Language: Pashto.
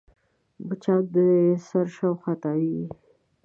مچان د سر شاوخوا تاوېږي